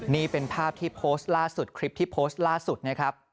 นี่เป็นภาพที่โพสต์ล่าสุดคลิปที่โพสต์ล่าสุดนะครับ